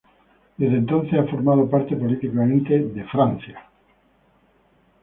Desde entonces ha formado parte políticamente de Francia.